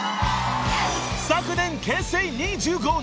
［昨年結成２５年。